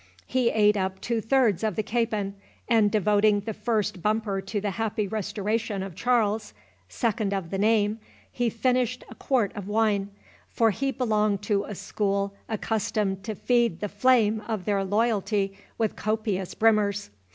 He ate up two thirds of the capon, and, devoting the first bumper to the happy restoration of Charles, second of the name, he finished a quart of wine; for he belonged to a school accustomed to feed the flame of their loyalty with copious brimmers.